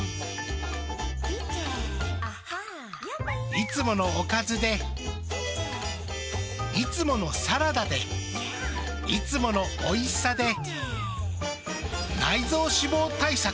いつものおかずでいつものサラダでいつものおいしさで内臓脂肪対策。